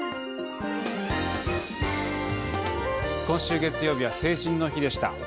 今週、月曜日は成人の日でした。